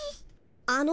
あの。